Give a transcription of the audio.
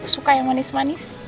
suka yang manis manis